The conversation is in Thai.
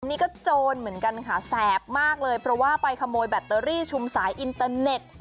นี่ก็โจรเหมือนกันค่ะแสบมากเลยเพราะว่าไปขโมยแบตเตอรี่ชุมสายอินเตอร์เน็ต